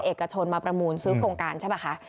เอกชนมาประมูลซื้อโครงการใช่ป่ะคะ